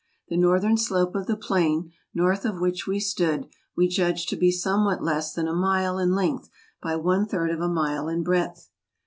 The northern slope of the plain, north of which we stood, we judged to be somewhat less than a mile in length by one third of a mile in breadth.